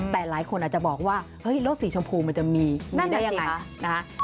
แต่หลายคนอาจจะบอกว่ารสสีชมพูมันจะมีได้ยังไง